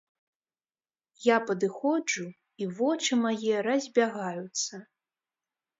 Я падыходжу, і вочы мае разбягаюцца.